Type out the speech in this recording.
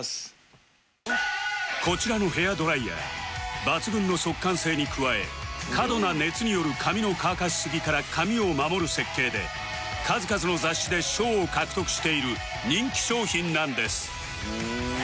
こちらのヘアドライヤー抜群の速乾性に加え過度な熱による髪の乾かしすぎから髪を守る設計で数々の雑誌で賞を獲得している人気商品なんです